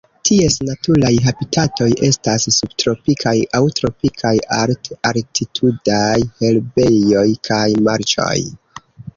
Ties naturaj habitatoj estas subtropikaj aŭ tropikaj alt-altitudaj herbejoj kaj marĉoj.